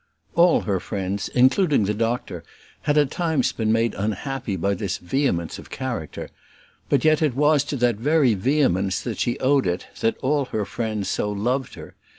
All her friends, including the doctor, had at times been made unhappy by this vehemence of character; but yet it was to that very vehemence that she owed it that all her friends so loved her.